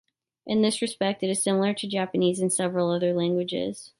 In this respect it is similar to Japanese and several other languages.